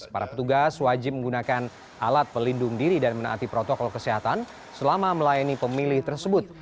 para petugas wajib menggunakan alat pelindung diri dan menaati protokol kesehatan selama melayani pemilih tersebut